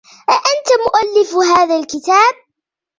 أأنت مؤلف هذا الكتاب ؟